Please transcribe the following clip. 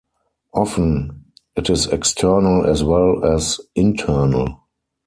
Often, it is external as well as internal.